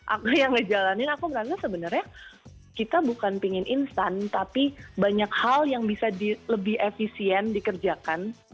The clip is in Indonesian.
aku yang ngejalanin aku merasa sebenarnya kita bukan ingin instan tapi banyak hal yang bisa lebih efisien dikerjakan